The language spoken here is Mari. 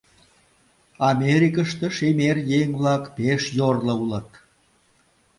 Америкыште шемер еҥ-влак пеш йорло улыт.